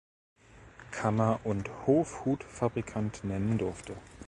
Kammer- und Hof-Hutfabrikant" nennen durfte.